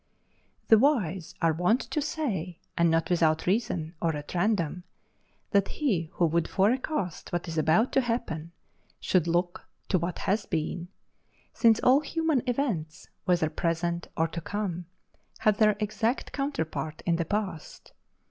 _ The wise are wont to say, and not without reason or at random, that he who would forecast what is about to happen should look to what has been; since all human events, whether present or to come, have their exact counterpart in the past.